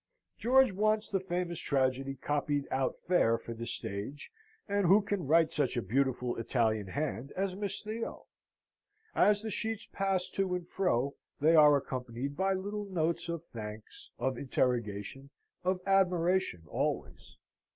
George wants the famous tragedy copied out fair for the stage, and who can write such a beautiful Italian hand as Miss Theo? As the sheets pass to and fro they are accompanied by little notes of thanks, of interrogation, of admiration, always.